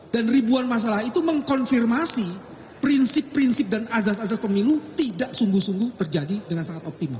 dan ribuan masalah itu mengkonfirmasi prinsip prinsip dan azas azas pemilu tidak sungguh sungguh terjadi dengan sangat optimal